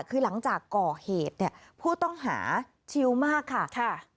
คือหลังจากก่อเหตุเนี่ยผู้ต้องหาชิลมากค่ะ